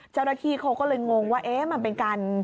เจ้าระทีเขาก็เลยงงว่ามันเป็นการ